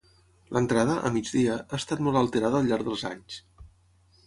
L'entrada, a migdia, ha estat molt alterada al llarg dels anys.